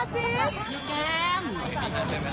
วันนี้ได้เป็นไรบ๊ายบาย